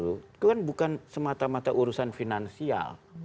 itu kan bukan semata mata urusan finansial